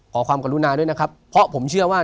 ขอความกรุณาด้วยนะครับเพราะผมเชื่อว่า